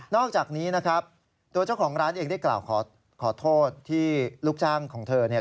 อกจากนี้นะครับตัวเจ้าของร้านเองได้กล่าวขอโทษที่ลูกจ้างของเธอเนี่ย